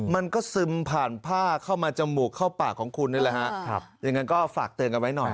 ซึมผ่านผ้าเข้ามาจมูกเข้าปากของคุณนี่แหละฮะครับอย่างนั้นก็ฝากเตือนกันไว้หน่อย